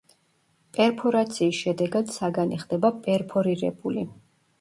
პერფორაციის შედეგად საგანი ხდება „პერფორირებული“.